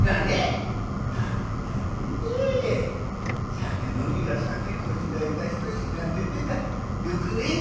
酒飲みが酒こしらえた人知らねえってのはよくねえね！